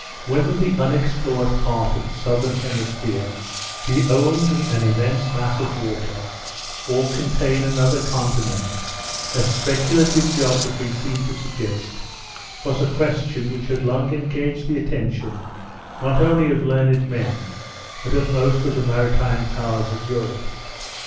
Whether the unexplored part of the Southern Hemisphere be only an immense mass of water, or contain another continent, as speculative geography seemed to suggest, was a question which had long engaged the attention, not only of learned men, but of most of the maritime powers of Europe.